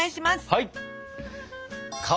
はい。